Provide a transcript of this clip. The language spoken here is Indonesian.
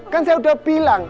kan saya udah bilang